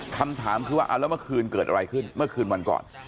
คำถามคือว่าเอาแล้วเมื่อคืนเกิดอะไรขึ้นเมื่อคืนวันก่อน